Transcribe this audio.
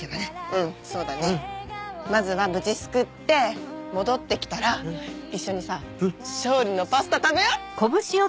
うんそうだねまずは無事救って戻ってきたら一緒にさ勝利のパスタ食べよう！